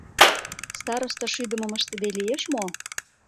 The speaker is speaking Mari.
Староста шӱдымым ыштыде лиеш мо?